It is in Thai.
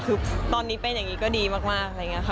คือตอนนี้เป็นอย่างนี้ก็ดีมากอะไรอย่างนี้ค่ะ